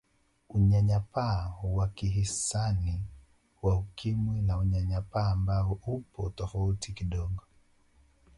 Unyanyapaa wa kihisani wa Ukimwi ni Unyanyapaa ambao upo tofauti kidogo